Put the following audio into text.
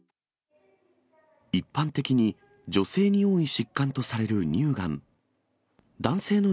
一般的に女性に多い疾患とされる乳がん。